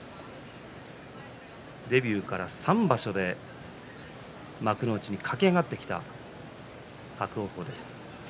デビューから３場所で幕内に駆け上がってきた伯桜鵬です。